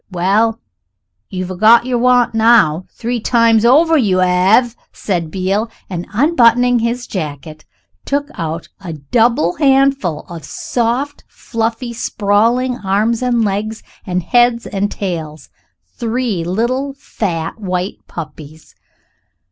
"Well, you've a got yer want now, three times over, you 'ave," said Beale, and, unbuttoning his jacket, took out a double handful of soft, fluffy sprawling arms and legs and heads and tails three little fat, white puppies.